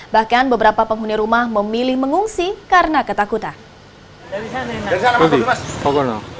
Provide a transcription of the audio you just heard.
bahkan beberapa penghuni rumah memilih mengungsi karena ketakutan